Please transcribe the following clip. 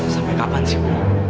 sampai kapan sih ibu